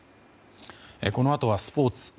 このあとはスポーツ。